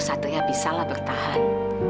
satria bisalah bertahan